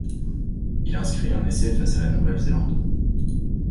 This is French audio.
Il inscrit un essai face à la Nouvelle-Zélande.